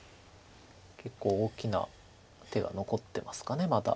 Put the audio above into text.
結構大きな手が残ってますかまだ。